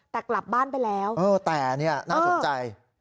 แต่กลับบ้านไปแล้วเออแต่นี่น่าสนใจ